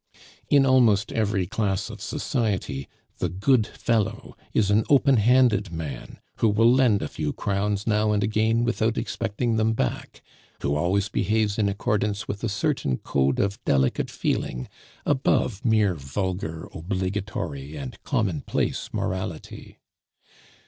In almost every class of society the good fellow is an open handed man, who will lend a few crowns now and again without expecting them back, who always behaves in accordance with a certain code of delicate feeling above mere vulgar, obligatory, and commonplace morality.